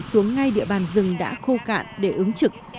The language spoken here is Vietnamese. xuống ngay địa bàn rừng đã khô cạn để ứng trực